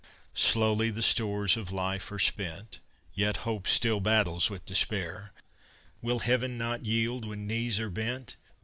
Slowly the stores of life are spent, Yet hope still battles with despair; Will Heaven not yield when knees are bent?